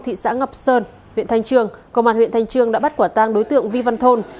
thị xã ngọc sơn huyện thanh trương công an huyện thanh trương đã bắt quả tang đối tượng vi văn thôn